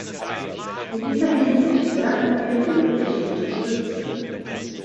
In dieser Hinsicht werden wir den Bericht unterstützen.